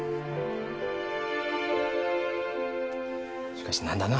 しかし何だな。